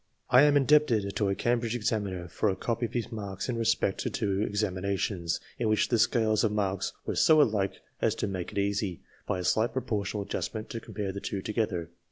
I am indebted to a Cambridge examiner for a copy of his marks in respect CLASSIFICATION OF MEN to two examinations, in which the scales of marks were so alike as to make it easy, by a slight proportional adjust ment, to compare the two together.